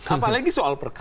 apalagi soal perkara